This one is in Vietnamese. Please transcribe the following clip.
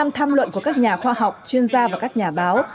tham luận của các nhà khoa học chuyên gia và các nhà báo